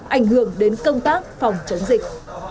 ảnh hưởng đến công tác phòng chống dịch